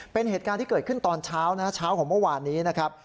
เป็นเหตุการณ์ที่เกิดขึ้นตอนเช้านะเช้าของเมื่อวานนี้นะครับ